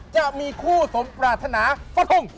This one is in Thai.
จะมีคู่สมปรารถนาฟะลง